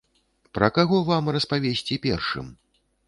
Пра каго вам распавесці першым?